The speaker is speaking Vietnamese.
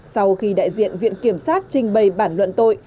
sau khi đại diện viện kiểm sát trình bày bản luận tội